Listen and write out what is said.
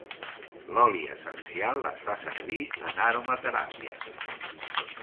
L'oli essencial es fa servir en aromateràpia.